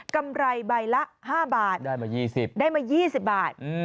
กำไรใบละ๕บาทได้มา๒๐บาท